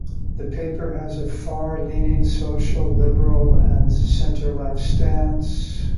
The paper has a far-leaning social, liberal and centre-left stance.